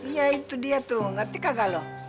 iya itu dia tuh ngerti kagak loh